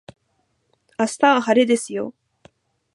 明日は晴れですよ